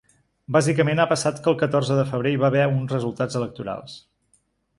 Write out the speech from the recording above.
Bàsicament ha passat que el catorze de febrer hi va haver uns resultats electorals.